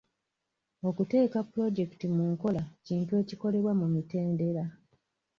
Okuteeka pulojekiti mu nkola kintu ekikolebwa mu mitendera.